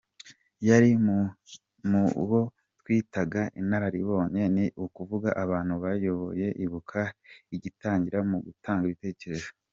Yari mu bo twitaga inararibonye, ni ukuvuga abantu bayoboye Ibuka igitangira mu gutanga ibitekerezo.